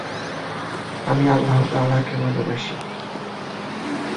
মা'র অনুরোধে প্রাথমিক বিদ্যালয়ের তৎকালীন শিক্ষক রাসবিহারী আচার্য বিনা বেতনে ভর্তি করে নিয়েছিলেন।